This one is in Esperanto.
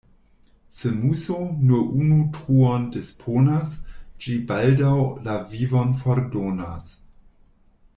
Se muso nur unu truon disponas, ĝi baldaŭ la vivon fordonas.